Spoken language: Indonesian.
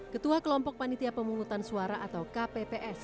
ketua kelompok panitia pemungutan suara atau kpps